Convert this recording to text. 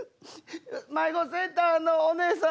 迷子センターのおねえさん